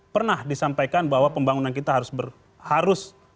pernah disampaikan bahwa pembangunan kita harus berharus melakukan kritik itu